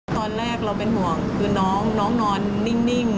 ตอนแรกเราเป็นห่วงคือน้องนอนนิ่ง